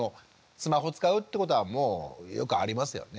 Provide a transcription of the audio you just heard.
スマホ使うってことはもうよくありますよね？